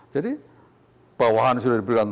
jadi bawahan sudah diberikan